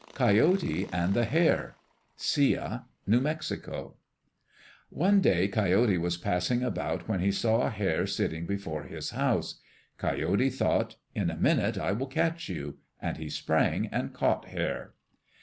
Coyote and the Hare Sia (New Mexico) One day Coyote was passing about when he saw Hare sitting before his house. Coyote thought, "In a minute I will catch you," and he sprang and caught Hare.